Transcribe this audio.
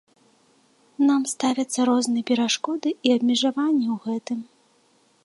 Нам ставяцца розныя перашкоды і абмежаванні ў гэтым.